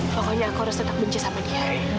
pokoknya aku harus tetap benci sama dia